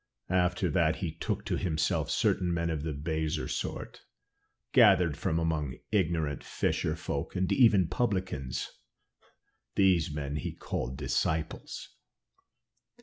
After that he took to himself certain men of the baser sort, gathered from among ignorant fisher folk, and even publicans; these men he called his disciples.